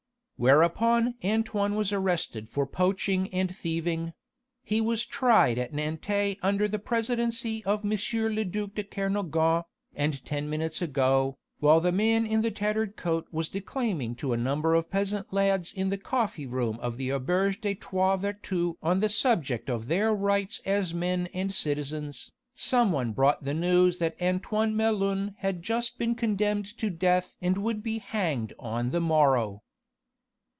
Whereupon Antoine was arrested for poaching and thieving: he was tried at Nantes under the presidency of M. le duc de Kernogan, and ten minutes ago, while the man in the tattered coat was declaiming to a number of peasant lads in the coffee room of the auberge des Trois Vertus on the subject of their rights as men and citizens, some one brought the news that Antoine Melun had just been condemned to death and would be hanged on the morrow.